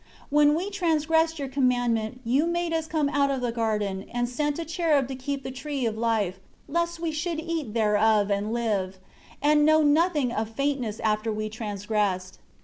9 When we transgressed Your commandment, You made us come out of the garden, and sent a cherub to keep the Tree of Life, lest we should eat thereof, and live; and know nothing of faintness after we transgressed.